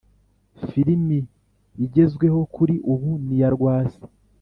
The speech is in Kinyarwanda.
filimi igezweho kuri ubu niya rwasa